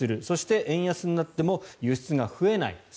そして円安になっても輸出が増えない。